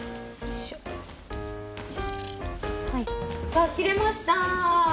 さあ切れました！